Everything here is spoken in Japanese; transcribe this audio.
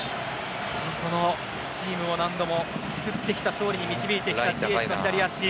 チームを何度も救ってきた勝利に導いてきたジエシュの左足。